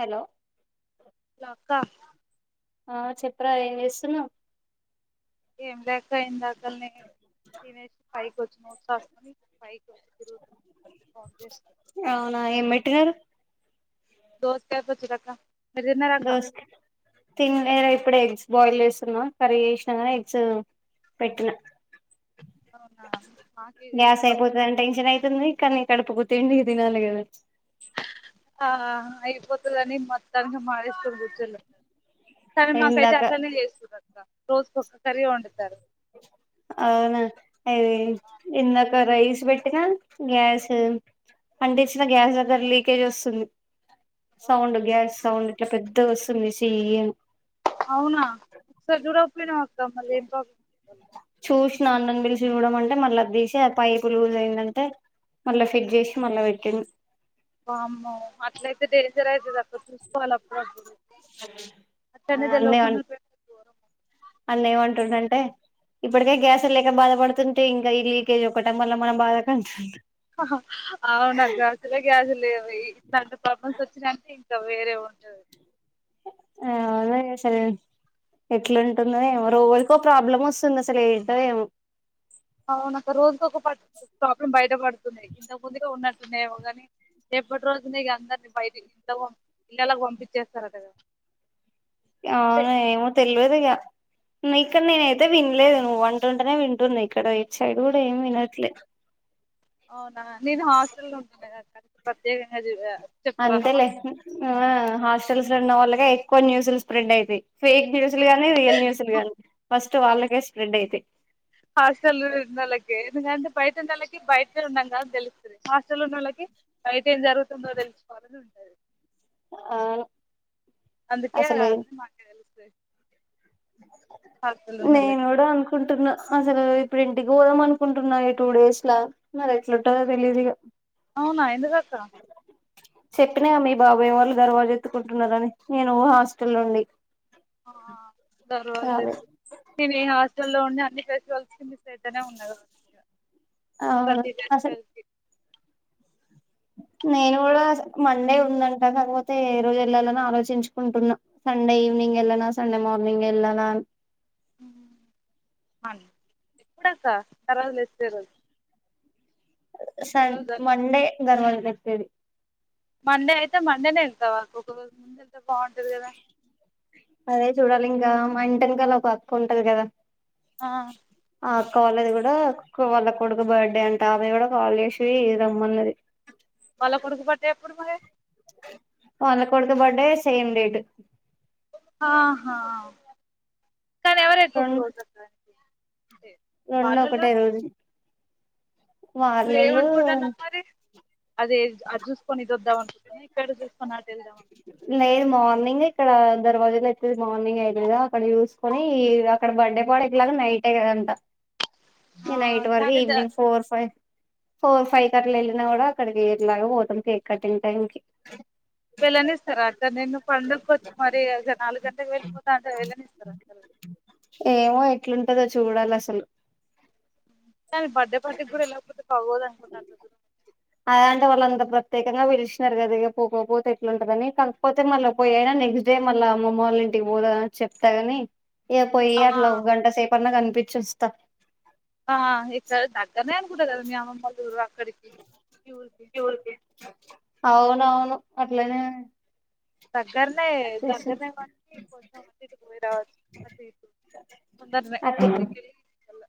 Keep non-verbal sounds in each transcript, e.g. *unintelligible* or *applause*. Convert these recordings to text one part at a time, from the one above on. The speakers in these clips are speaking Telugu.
హలో హలో అక్క ఆ చెప్పరా ఏం చేస్తున్నావు ఏం లే అక్క ఇందాకల్నే తినేసి, పైకి వచ్చి నోట్స్ రాసుకొని, పైకి వచ్చి తిరుగుతున్న ఫోన్ జేస్ అవునా ఏం పెట్టినారు దోసకాయ పచ్చడి అక్క మీరు తిన్నారా అక్క దోస్ తిన్లేరే ఇప్పుడే ఎగ్స్ బాయిల్ వేస్తున్నా, కర్రీ చేసిన కదా ఎగ్స్ పెట్ట్ న్నా అవునా మాకు గ్యాస్ ఏదన్నా ఒకటి అయిపోతదని టెన్షన్ అయితుంది. కానీ కడపుకు తిండీ తినాలికద, ప్చ్ ఒత్తుల్లన్ని మొత్తాంగా మానేసుకొని కూర్చోలేము. కదా కానీ నాకైతే ఇందాక అట్లనే ఏస్ తున్నరు. అవునా ఇదీ ఇందాక రైస్ చూపెట్టినా గ్యాసు అంటిచ్చిన గ్యాస్ దగ్గర లీకేజ్ వస్తుంది సౌండ్ గ్యాస్ సౌండ్ ఇట్ల పెద్దగా వస్తుంది సుయ్ అని. ఇద్దో మళ్ళీ ఏం ప్రాబ్లెమ్ *inaudible* నాన్నని పిలిచి చూడ మంటే మళ్ళీ అది తీసి పైపు లూజ్ అయిందంటే మళ్ళ ఫిట్ చేసి మళ్ళ పెట్టిండు వామ్మో అట్లయితే డేంజర్ అయితది అట్ల చూసుకోవాల అప్పుడుప్పుడు ఆ అట్లనే అన్న తెల్వకుండా పెడితే ఘోరం అన్న ఏమంటుండు అంటే ఇప్పుటికే ఉమ్ గ్యాసుల్ లేక బాధ పడుతుంటే ఇంకా ఈ లీకేజ్ ఒకటా మళ్ళ మన బాధ కు అంటుండు హహా అవునక్కా అసలే గ్యాసుల్ లేవు ఇట్లాంటి ప్రాబ్లమ్స్ వచ్చినాయంటే ఇంకా వేరే ఉంటది. ఆ అదేగా అసలు ఎట్లుంటుందో ఏమో రోజుకో ప్రాబ్లం వస్తుంది అసలు ఏంటో ఏమో. అవునక్క రోజుకొక పా ప్రాబ్లం బయటపడుతుం నాయి ఇంతకు ముందుగా ఉన్నా ఉన్నాయోమో కానీ రేపటి రోజునే ఇగ అందరినీ బయటికి ఇంట్లోకి ఇల్లలాకి పంపించేస్తారటగా. అవును ఏమో తెలవదుగా ఇక్కడ నేనైతే వినలేదు నువ్వు అంటుంటేనే వింటుంది ఇక్కడ ఇటు సైడ్ కూడా ఏం వినట్లేదు అవునా నేను హాస్టల్ లో ఉంటున్నా గద ప్రత్యేకంగా దివ్య అంతేలే *unintelligible* హాస్టల్స్లో ఉన్న వాళ్ళకి ఎక్కువ న్యూస్లు స్ప్రెడ్ అయితయ్. ఫేక్ న్యూస్లు గానీ రియల్ న్యూస్లు గానీ ఫస్ట్ వాళ్ళకే స్ప్రెడ్ అయితాయ్. హాస్టల్లో ఉన్నోళ్ళకి ఎందుకంటే బయట ఉన్నోడికి బయటే ఉన్నాం కదా తెలుస్తుంది హాస్టల్లో ఉన్నోళ్లకి బయట ఏం జరుగుతుందో తెలుసుకోవాలని ఉంటది. అవును అందుకే అన్ని మాకే తేలుస్త స్తాయ్ హాస్టల్లో ఉన్నోళ్ళకి కుంటున్నా అసలు ఇప్పుడు ఇంటికి పోదాం అనుకుంటున్నా ఈ టూ డేస్ లా మరి ఎట్లుంటదో తెలియదు ఇక అవునా ఎందుకక్క చెప్పిన గా మీబాబాయ్ వాళ్ళు దర్వాజ్ ఎత్తుకుంటున్నారని నేను హాస్టల్ నుండి రాలే నేను ఈ హాస్టల్ లో ఉండి అన్ని ఫెస్ గర్ల్స్ చైతన్య ఉండదు కావచ్చు అవును తర్టీన్త్ అసలు ఏప్రిల్ కి నేను కూడా సండే ఉందంట తర్వాత ఏ రోజు వెళ్ళాలని ఆలోచించుకుంటున్నా సండే ఈవినింగ్ వెళ్ళనా సండే మార్నింగ్ వెళ్ళనా అని. హ్మ్ అం ఎప్పుడక్క తర్వాత నెక్స్ట్ డే రో సన్ మండే దర్వాజలెత్తేది. మండే అయితే మండేనే వెళ్తావా ఒక రోజు ముందు వెళ్ బాగుంటది కదా అదే చూడాలి ఇంకా మా ఇంటిఏనకాల ఒక అక్క ఉంటది కదా ఆ ఆ అక్కవాల్లది కూడా క్ వాళ్ళ కొడుకు‌ బర్త్డే అంట ఆమె కూడా కాల్ చేసి రమ్మన్నది. వాళ్ళ కొడుకు బర్డే ఎప్పుడు మరి మా అన్న కొడుకు బర్డే సేమ్ డేట్ ఆహా కానీ ఎవరు ఎక్కువ క్లోజ్ అవు రెండ్ ఒకటే రోజు నువ్వెం వాళ్ళలో అంకుటన్నావ్ మరి అదే అది చూస్కొని ఇట్ వద్దా అకుంటన్నావట ఇక్కడ చూసుకోని అటెళ్దాం లేదు మార్నింగ్ ఇక్కడ దర్వాజలెత్తేది మార్నింగ్ అయితుదా అక్కడ చూసుకొని అక్కడ బర్డే పాడ అలాగా నైట్ దంత ఆ నైట్ వరకు కానీ the evening four five four five కట్ల వెళ్ళినా కూడా అక్కడికి ఎట్లాగు పోతాం కేక్ కట్టింగ్ టైం కి వెళ్ళనిస్తరా అక్క నిన్ను పండుగకు వచ్చి మరి ఒక నాలుగు గంట్లకి వెళ్ళిపోతా అంటే వెళ్ళనిస్తరా మరి ంటదో చూడాలసలు కానీ బర్డే పార్టీకి కూడా వెళ్ళకపోతే బాగోద్ అనుకుంట అంత దగ్గర నుంచి ఖ్యంగా పిలిచినారు కదా ఇ పోకపోతే ఎట్లంటుందని కాకపోతే మళ్ళీ పోయినా నెక్స్ట్ డే మళ్ళ మా అమ్మ వాళ్ళ ఇంటికి పోదా అని చెప్తగని ఏ ఆ పోయ్యట్లా గంట సేపన్న కనిపి పిచ్చోస్తా వెళ్ళవనుకుంట కదా మీ అమ్మమ్మవాళ్ళ ఊరు అక్కడికి మీ ఊరికి ఎవరికి అవునవును అట్లనే దగ్గరనే చేసి దగ్గరనే గాని కొంచెం అటు ఇటు పొయ్యి రావచ్చు అటు ఇటు తొందరనే అట్లా మార్నింగ్ వెళ్ళి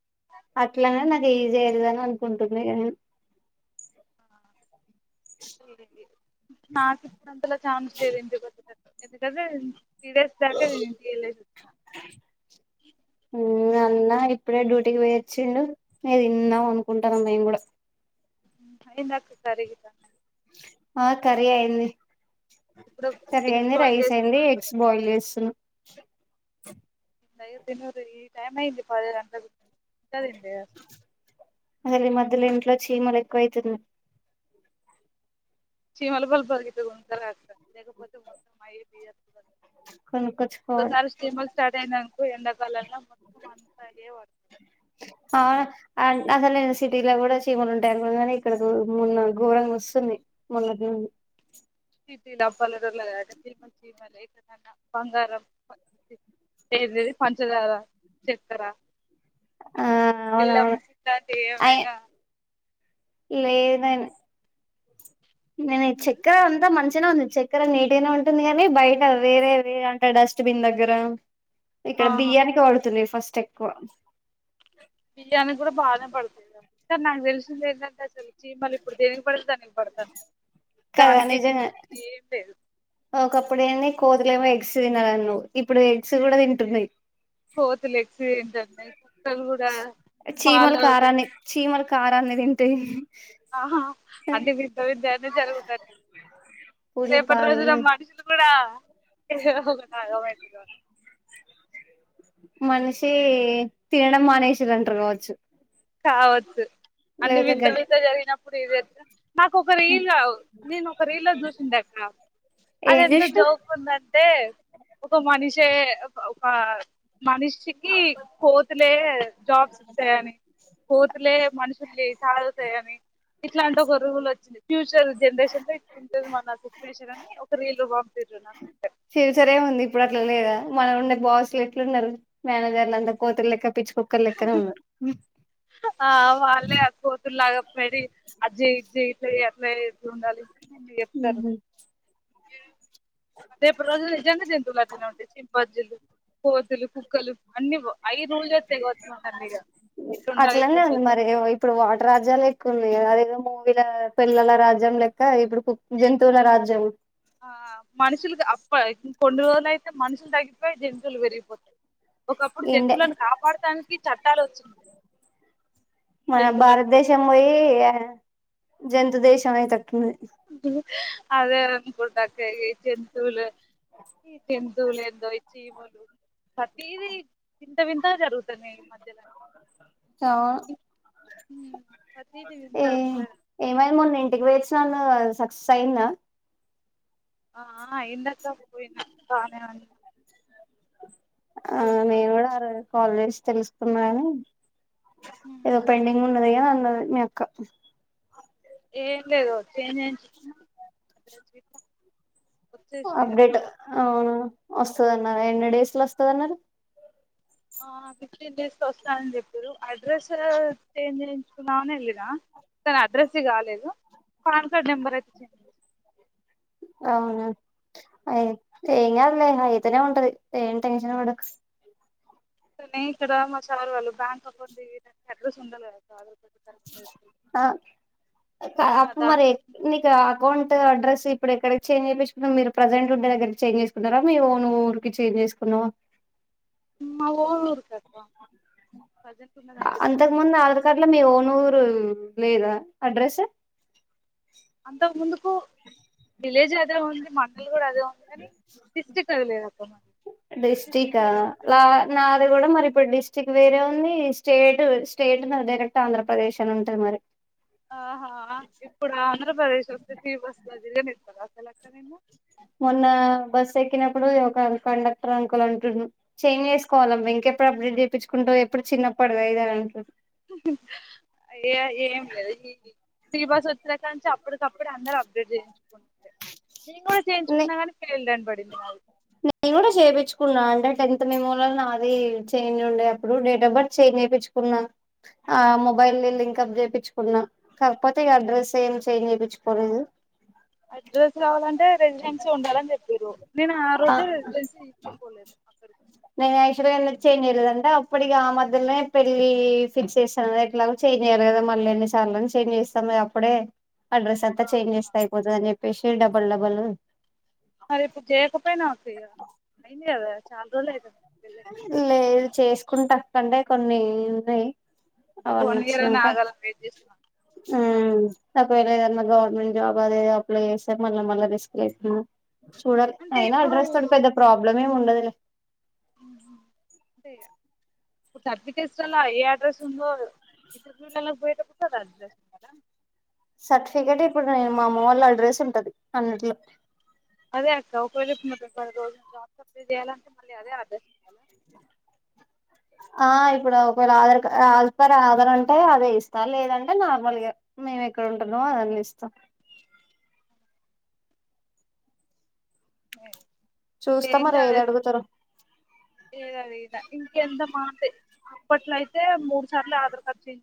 ఏ జరుగద అనుకుంటున్న ఇగ నేను నాకు ఇప్పుడు అంతలో చాన్స్ లేదు ఇంకొ దగ్ ఎందుకండి త్రిడెస్ దాక నేన ఇంటి కెళ్లెష్వత్తా అన్నా ఇప్పుడే డ్యూటీకి పోయ్యిచ్చిండు ఇగ తిందాం అనుకుంటాన మేము కూడా ఐదుకు సారీగ తా ఆ కర్రీ అయింది ఇప్పుడు సరి ఎగ్స్ అయింది బాయిల్ రైస్ అయింది చేస్తున్నాను కదా ఎగ్స్ బాయిల్ చేస్తున్నా ఇట్ల అయితే తిన్నారు ఈ టైమ్యింది పది గంటాలు అ మధ్యలో ఇంట్లో చీమలు ఎక్కువ అయితున్నాయి చిమల బల్ బర్గతే ఉంటరత లేకపోతే మొత్తం అ కొనుక్కొచ్చుకోవాలి సారు స్టేమల్ స్టార్ట్యనా ఈ ఎంద కాలం లో ఆ అసలు నను సిటీలో కూడా చీమలు ఉంటారు కాని ఇక్కడ మున్న ఘోరంగా వస్తుంది మున్నటి నుండి సిటీలు అబ్బాలు రల అేమ చమలున్నా బంగారం పంచదార చక్కర ఆ అవునవును పలమలావైగా లేదని నేను ఈ ఉమ్, చక్క్ర అంతా మనుష ఉంది చక్కెర నీటైనా ఉంటుంది కాగాని బయట వేరేే అంట డస్ట్బిన్ దగ్గర ఇక్కడ ఆహా బియ్యానికి పడుతుంది ఫస్ట్ ఎక్కువ బియ్యానికి కూడా బాగానే పడతాద సరే నక్ తెల్సింది ఏంటి అంటే అసలు మళ్ళీ ఇప్పుడు దేనినికి పడితే దనినికి పడతా నేను కదా దానికి దీని నిజంగా పద ఏం లేదు కోతులు ఏమో ఎగ్స్ తినాలన్న ఇప్పుడు ఎగ్స్ కూడా తింటుంనాయి అపో చీమల కారాన్ని చీమల కారాన్ని తింటాయి ఆహా అంటే మీద్ద విద అనే జరుగుతాను పులి రేపటి పాలు రోజున మనుషులు కూడా *inaudible* మనిషి తినడం మానేసరంటారు కావచ్చు కావచ్చు అన్ని లేకపోతే వింత గ వింత జరిగినప్పుడు *unintelligible* నాకు ఒక రీల్ నేను ఒక రీల్ చూసింది అక్కడ అది ఏం ఎంత చేసినవ్ జోక్ ఉందంటే ఒక మనిషే ఒక మనిషికి కోతురి లే జాబ్స్ ఇస్తాయని కోతులే మనుషుల్ని సాగుగుతాయ అని ఇట్లాంటి ఒక రువులు వచ్చింది ఫ్యూచర్ జనరేషన్ ఇంట మన సిచువేషన్ అ ఒక రీల్ బాం బాస్లు ఎట్లు ఉన్నారు మేనే గర్లు అంత కోతురు లెక్క పిచ్చు ఆ వాళ్ళే ఆ కూతురులాగాపోడి అజ్జయ్జ ఎట్లా ఎ ఉండాలి మీ చెప్తారు ఉహు రేపు రోజులు జంగ జంతువుల అ ఉంటాయి సింపజజులు కోతులు కుక్కలు అన్ని అయి రూల్ చేస్తాయి కావచ్చు మనల్ని ఇగ ఇట్లుండాలి అట్లనే అండి ఇట్లుండొద్దు మరి ఇప్పుడు వాట రాజ్యాలు ఎక్కువ ఉన్నా అదేదో మూ వీళ్ళ పిల్లల రాజ్యం లెక్క ఇప్పుడు జంతూవులా రాజ్యము ఆ మనుషులకి అప్ప కొన్ని రోజులు అయితే మనుషులు తగ్గిపోయి జంతువులు పెరిగిపోతాయి ఒకప్పుడు ఇండే జంతువులను కాపాడటానికి చట్టాలు వచ్చింది జంతువులను జనత దేశమయి తట్ అదే అనుకు జంతువులు ఈ జంతువులు ఏందో చీమలు ప్రతీద వింత వింత జరుగుతున్నాయి ఈ మధ్యలో స ఉమ్ ప్రతిదీ వింత ఏ వింత ఏమై మొన్న ఇంటికి వేచినన్నావు స సైన్ ఆ అయింది అక్క పోయినా బానే అయింది ఆ నేను కూడా ఆర కాలజేస్ తెలుసుకున్నాని ఏదో పేడింగ్ ఉండదిగా మక ఏం లేదు ఎమ్ చెసినావ్ నే అద రజట్ అప్డేట్ అవునా వస్తుద అన్నారు ఎన్ని డేస్ లో వస్తుంది అన్నారు ఫిఫ్టీన్ డేస్ వస్తానని చెప్పారు అడ్రస్ చేంజ్ చేయించుకున్నామని వెళ్ళనా కాని అడ్రస్ కాలేదు పాన్ కార్డ్ నెంబర్ అయితే చేంజ్ చే అవునా అ ఏం కాదులే హైదనా ఉంటది ఏ టషడ అనీ ఇక్కడ మా సార్ వాళ్ళు బ్యాంక్ అకౌంట్ అడ్రస్ ఉండాలి కదా సార్ కరెక్ట్ అప్పు మరి దానికోసం మీకు అకౌంట్ అడ్రెస్ ఇప్పుడు ఎక్కడికి చేంజ్ చేయిసుకున్నా మీరు ప్రజెంట్ ఉంటే దగ్గకి చేంజ్ చేసుకున్నా మీ ఊరికి చేంజ్ చేసుకున్నావు మా వోలురకర్ క చేంజ్ అంతకు ముందు ఆధార్ కార్డ్ లో మీ ఓనూరు లేదా అడ్రస్ అంత ముందుకు విలేజ్ అదే ఉంది మండల అదే ఉంది కాని డిస్ట్రిక్ట్ అది లేదు అక్క మ డిస్ట్రిక్ట్ మీరే ఉంది అది కూడా మరి ఇప్పుడు డిస్టిక్ వేరే ఉంది స్టేట్ స్టేట్ ఉన్నారు డైరెక్ట్ ఆంధ్రప్రదేశ్ అని ఉంటంది మరి ఆహా ఇప్పుడు ఆంధ్రప్రదేశ్ వస్తే తీటీ వస్త దిస్తా అసలులాతారేన్న మొన్న బస్ ఎక్కినప్పుడు ఒక కండక్టర్ అంకుల్ అంటు చేంజ చేసుకోలంకప్పుడు అభివృద్ధి తప్పించుకుంటు ఎప్పుడు చిన్నప్పుడు ఐదాంలు ఏ ఏం లేదు ఈ శ్రీవాసు ఉత్రకాంత చెప్ప అప్పటికప్పుడు అందరుూ అప్గ్రేడ్ చేయించుకుని న కూడా నే చేయించుకున్నాంగా క బట్టి వా నేను కూడా చేయించుకున్నా అంటే టెన్త్ మెమోలో నాది చేంజ్ ఉండే అప్పుడు డేట్ ఆఫ్ బర్త్ చే్ చేయించుకున్నా ఆ మొబైల్ం పికప్ చేయిించుకున్నా కాకపోతే ఇక అడ్రస్ ఏం చేంజ్ చేయిించుకోలేదు అడ్రస్ కావాలంటే రెసిడెన్సీ ఉండాలని చెప్పారు నేను ఆ రోజే రెసిడెన్సీ తీసుకపోలేదు అక్కడి నేను యాక్చువల్గా ఎ చేయిన్ చేయలేదుంట అప్పుటిక ఆ మధ్యనే పెళ్లి ఫిక్స్ చేస్తాను ఎట్లాగ చేయిన్ చేయాలి కదా మళ్ళీ ఎన్ని చార్ని చేం చేస్తాం అడే అడ్రెస్ అంతా చాన్జి చేస్తాయిపోదు అని పేషెట్ డబ్బల్ డబల్ మరి ఇప్పుడు చేయకపోయినా అయింది కదా చాలా రోజులు అవుతుంది లేదు చేసుకుంటంటే కొన్ని ఉన్నాయి ఒక అవన్నీ వన్ ఇయర్ లోనే ఆగాలని వెయిట్ చేస్తున్నాను తవేళ ఏదన్నా గవర్నమెంట్ జాబ్ అద అప్లై చేస్తే మళ్ళీ మళ్ళీ రిస్క్స్తున్నా చూడాలి అంటే అయినా ఇప్పుడు అడ్రస్ తో పెద్ద ప్రాబ్లం సమము ఉండదిలే ప్పు తర్పి చేస్తలాా ఏ అడ్రస్ ఉందో ఇర్వ్యూల పోయట కుంటారా అడ్రస్ ఉందారా సర్టిఫికేట్ ఇప్పుడు నేను మా అమ్మ వాళ్ళ అడ్రస్ ఉంటది అన్నిట్లో అదే అక్క ఒకవేళ మొత్తం పది రోజులు జాబ్స్ అప్లై చేయాలంటే మళ్ళీ అదే అర్థస్ చేయాలి ఆ ఇప్పుడు ఒకవేళ ఆధార్ ఆజప ఆధార్ ఉంటే అదే ఇస్తా లేదంటే నార్మల్గా మేము ఎక్కడ ఉంటున్నామో అదన్ని ఇస్తాం బరి చూస్తా ఏం మరి అద ఏది అడుగుతారో ఏదదద ఇంకెంత మాట పట్లాయితే మూడు సార్లు ఆధార్డ్ చేంజ